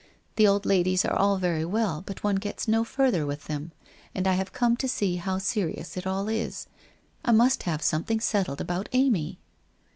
The old ladies are all very well, but one gets no further with them. And I have come to see how serious it all is. I must have something settled about Amy